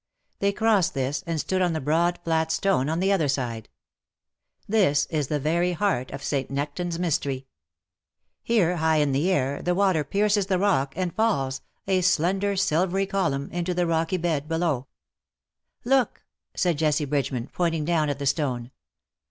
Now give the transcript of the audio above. They crossed this,, and stood on the broad flat stone on the other side. This is the very heart of St. Nectan's mystery. Here^, high in air, the water pierces the rock, and falls, a slender silvery column, into the rocky bed below. " Look !" said Jessie Bridgeman, pointing down at the stone.